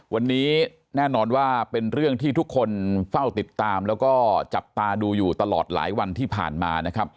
วันนี้แน่นอนว่าเป็นเรื่องที่ทุกคนเฝ้าติดตามแล้วก็จับตาดูอยู่ตลอดหลายวันที่ผ่านมานะครับ